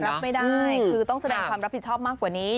รับไม่ได้คือต้องแสดงความรับผิดชอบมากกว่านี้